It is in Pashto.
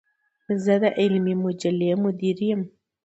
زۀ د علمي مجلې مدير يم.